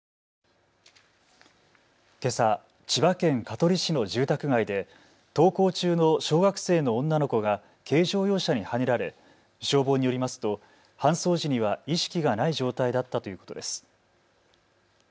けさ千葉県香取市の住宅街で登校中の小学生の女の子が軽乗用車にはねられ消防によりますと搬送時には意識がない状態だったということです。